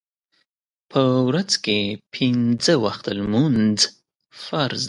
په ورځ کې پینځه وخته لمونځ فرض دی.